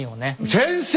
先生！